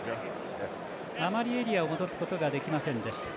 あまりエリアを戻すことができませんでした。